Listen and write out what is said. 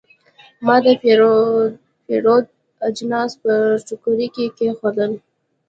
ما د پیرود اجناس په ټوکرۍ کې کېښودل.